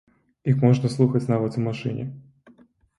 Іх можна слухаць нават у машыне.